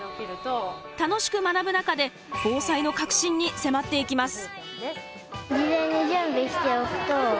楽しく学ぶ中で防災の核心に迫っていきます。